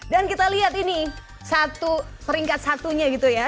dan kita lihat ini satu peringkat satunya gitu ya